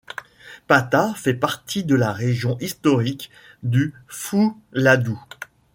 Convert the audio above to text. Pata fait partie de la région historique du Fouladou.